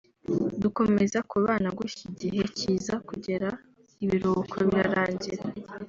dukomeza kubana gutyo igihe kiza kugera ibiruhuko birarangira